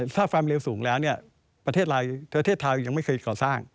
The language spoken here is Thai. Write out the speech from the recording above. ถ้าความเร็วสูงแล้วประเทศไทยยังไม่เคยก่อสร้าง